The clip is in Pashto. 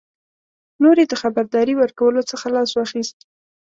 نور یې د خبرداري ورکولو څخه لاس واخیست.